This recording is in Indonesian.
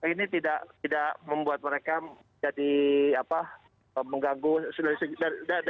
ini tidak membuat mereka jadi mengganggu dari segi prestasinya gitu